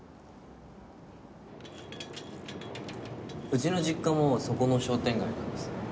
うちの実家もそこの商店街なんです。